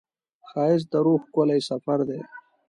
ښایست د روح ښکلی سفر دی